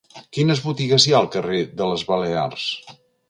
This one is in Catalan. Quines botigues hi ha al carrer de les Balears?